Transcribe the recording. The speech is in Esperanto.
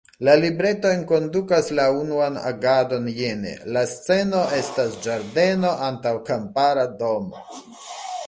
La libreto enkondukas la "unuan agadon" jene: „La sceno estas ĝardeno antaŭ kampara domo.